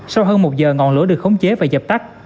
sau hơn một giờ ngọn lửa được khống chế và dập tắt